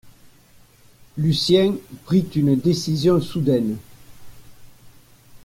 Lucien prit une décision soudaine.